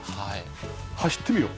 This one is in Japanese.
走ってみよう！